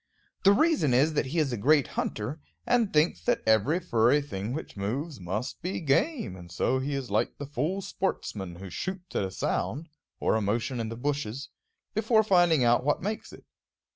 The reason is that he is a great hunter, and thinks that every furry thing which moves must be game; and so he is like the fool sportsman who shoots at a sound, or a motion in the bushes, before finding out what makes it.